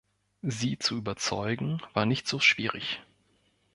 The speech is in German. Sie zu überzeugen, war nicht so schwierig.